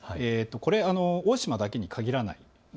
これは大島だけに限らない。